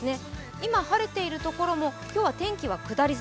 今、晴れているところも今日は天気は下り坂。